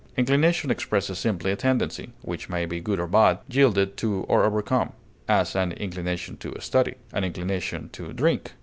Inclination expresses simply a tendency, which may be good or bad, yielded to or overcome; as, an inclination to study; an inclination to drink.